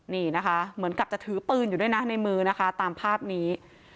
นี่นะคะเหมือนกับจะถือปืนอยู่ด้วยนะในมือนะคะตามภาพนี้